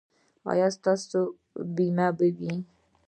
ایا ستاسو بیمه به وي؟